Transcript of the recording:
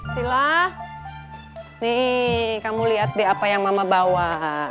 sila nih kamu lihat deh apa yang mama bawa